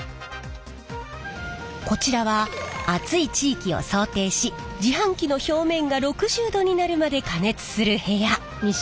こちらは暑い地域を想定し自販機の表面が６０℃になるまで加熱する部屋。